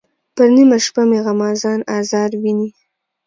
پر نیمه شپه مې غمازان آزار ویني.